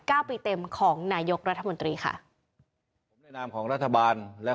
เก้าปีเต็มของนายกรัฐมนตรีค่ะผมแนะนำของรัฐบาลและ